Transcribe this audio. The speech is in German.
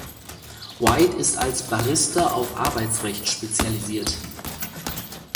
White ist als Barrister auf Arbeitsrecht spezialisiert.